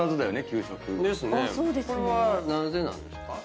これはなぜなんですか？